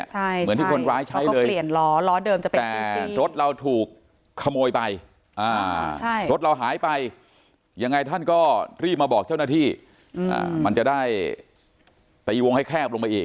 เหมือนที่คนร้ายใช้เลยแต่รถเราถูกขโมยไปรถเราหายไปยังไงท่านก็รีบมาบอกเจ้าหน้าที่มันจะได้ไปอีวงให้แคบลงไปอีก